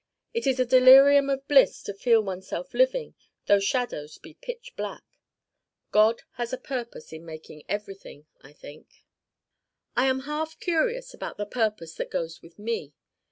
It is delirium of bliss to feel oneself living though shadows be pitch black. God has a Purpose in making everything, I think. I am half curious about the Purpose that goes with me.